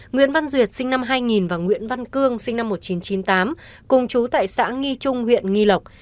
nguyễn văn duyệt sinh năm hai nghìn và nguyễn văn cương sinh năm một nghìn chín trăm chín mươi tám cùng chú tại xã nghi trung huyện nghi lộc